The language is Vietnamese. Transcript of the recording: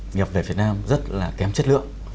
nhập về việt nam rất là kém chất lượng